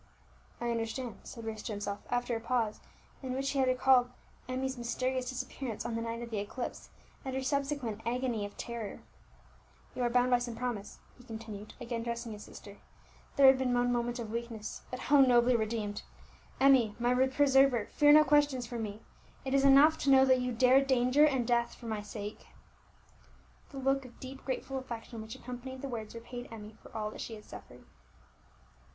"I understand," said Bruce to himself, after a pause in which he had recalled Emmie's mysterious disappearance on the night of the eclipse, and her subsequent agony of terror. "You are bound by some promise," he continued, again addressing his sister; "there had been one moment of weakness, but how nobly redeemed! Emmie, my preserver, fear no questions from me; it is enough to know that you dared danger and death for my sake!" The look of deep grateful affection which accompanied the words repaid Emmie for all that she had suffered.